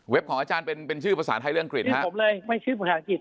ของอาจารย์เป็นชื่อภาษาไทยเรื่องอังกฤษชื่อผมเลยไม่ชื่อภาษาอังกฤษ